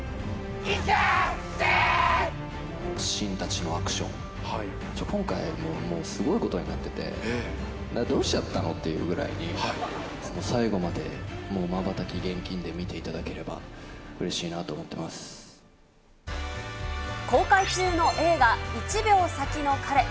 信たちのアクション、今回、すごいことになってて、どうしちゃったのっていうくらいに、最後までもうまばたき厳禁で見ていただければうれしいなと思って公開中の映画、１秒先の彼。